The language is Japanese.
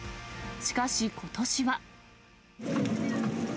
しかしことしは。